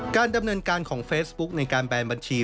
การดำเนินการของเฟซบุ๊กในการแบนบัญชี